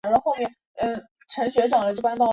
咸度适中又带点微甘